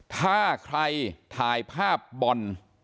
ถ้าใครถ่ายภาพบอล